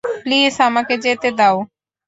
Please আমাকে যেতে দাও।